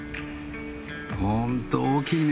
本当大きいね。